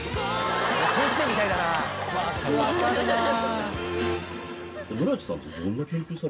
分かるなぁ。